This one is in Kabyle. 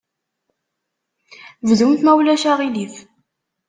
Bdumt, ma ulac aɣilif.